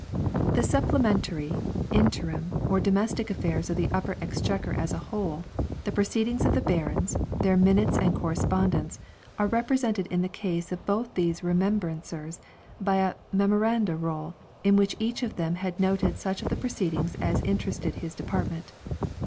The supplementary, interim, or domestic affairs of the Upper Exchequer as a whole, the proceedings of the barons, their Minutes and Correspondence, are represented in the case of both these Remembrancers by a Memoranda Roll in which each of them had noted such of the proceedings as interested his de partment.